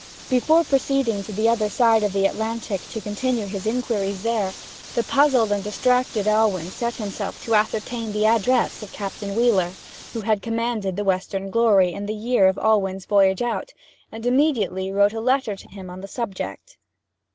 Before proceeding to the other side of the Atlantic to continue his inquiries there, the puzzled and distracted Alwyn set himself to ascertain the address of Captain Wheeler, who had commanded the Western Glory in the year of Alwyn's voyage out, and immediately wrote a letter to him on the subject.